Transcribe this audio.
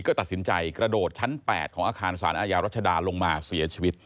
ก็ตัดสินใจกระโดดชั้น๘ของอาคารสารอาญารัชดาลงมาเสียชีวิต